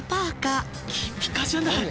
「金ピカじゃない」